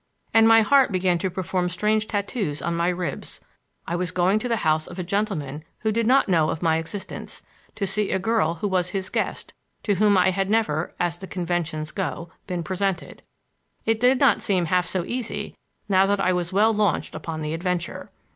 And my heart began to perform strange tattoos on my ribs I was going to the house of a gentleman who did not know of my existence, to see a girl who was his guest, to whom I had never, as the conventions go, been presented. It did not seem half so easy, now that I was well launched upon the adventure.